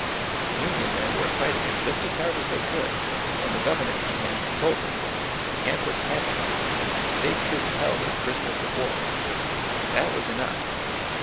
The Union men were fighting it just as hard as they could when the governor came in and told them that the camp was captured and the State troops held as pris oners of war. That was enough!